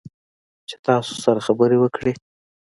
چې تاسو سره خبرې وکړي